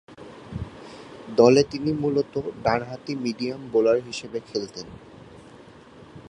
দলে তিনি মূলতঃ ডানহাতি মিডিয়াম বোলার হিসেবে খেলতেন।